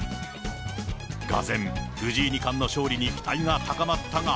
がぜん、藤井二冠の勝利に期待が高まったが。